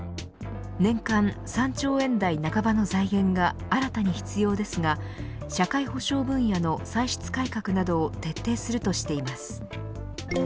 年間３兆円台半ばの財源が新たに必要ですが社会保障分野の歳出改革などを徹底するとしています。